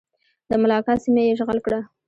د ملاکا سیمه یې اشغال کړه.